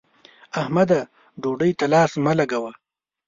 احمده! ډوډۍ ته لاس مه لګوه.